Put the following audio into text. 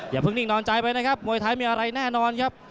อย่าเพิ่งนิ่งนอนใจไปนะครับมวยไทยมีอะไรแน่นอนครับ